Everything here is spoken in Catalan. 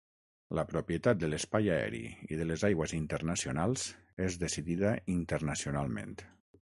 La propietat de l'espai aeri i de les aigües internacionals és decidida internacionalment.